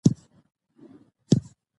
زه کوشش کوم، چي نورو ته تاوان و نه رسوم.